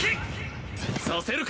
させるか！